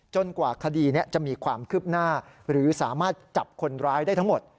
กว่าคดีจะมีความคืบหน้าหรือสามารถจับคนร้ายได้ทั้งหมด